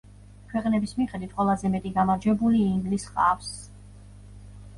ქვეყნების მიხედვით ყველაზე მეტი გამარჯვებული ინგლისს ჰყავს.